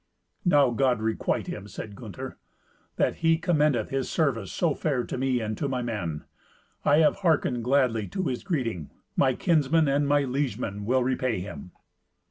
"Now God requite him," said Gunther, "that he commendeth his service so fair to me and to my men. I have hearkened gladly to his greeting. My kinsmen and my liegemen will repay him."